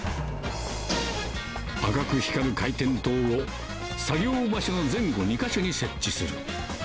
赤く光る回転灯を、作業場所の前後２か所に設置する。